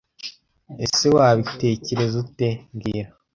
Ese Wabitekereza ute mbwira